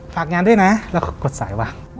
ฝากงานด้วยนะแล้วก็กดสายว่า